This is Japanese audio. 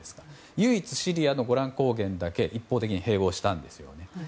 唯一、シリアのゴラン高原だけ一方的に併合したんですよ。